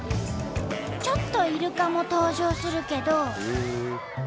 ちょっとイルカも登場するけど。